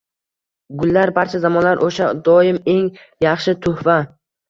Gullar barcha zamonlar osha doim eng yaxshi tuhfa.